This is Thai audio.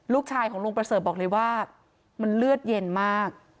ลูกชายของลุงประเสริฐบอกเลยว่ามันเลือดเย็นมาก